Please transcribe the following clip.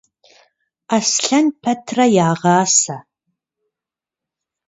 Аслъэн пэтрэ ягъасэ.